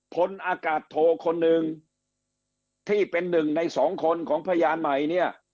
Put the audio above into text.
พลอากาศโทคนหนึ่งที่เป็นหนึ่งในสองคนของพยานใหม่เนี่ย